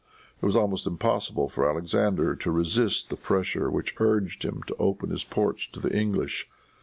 It was almost impossible for Alexander to resist the pressure which urged him to open his ports to the English.